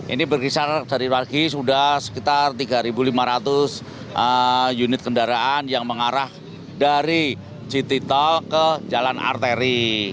ini berkisar dari pagi sudah sekitar tiga lima ratus unit kendaraan yang mengarah dari jiti tol ke jalan arteri